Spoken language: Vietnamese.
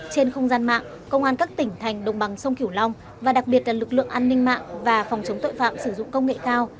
trên không gian mạng công an các tỉnh thành đồng bằng sông kiểu long và đặc biệt là lực lượng an ninh mạng và phòng chống tội phạm sử dụng công nghệ cao